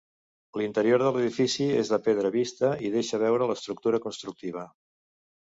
L'interior de l'edifici és de pedra vista i deixa veure l'estructura constructiva.